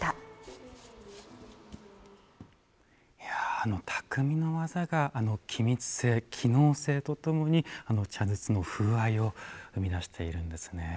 あの匠の技が気密性機能性とともに茶筒の風合いを生み出しているんですね。